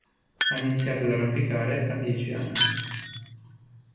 Ha iniziato ad arrampicare a dieci anni.